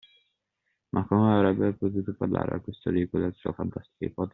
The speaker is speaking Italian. Ma come avrebbe potuto parlare al Questore di quella sua fantastica ipotesi?